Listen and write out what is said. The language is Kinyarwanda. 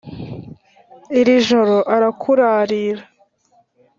iri joro arakurarira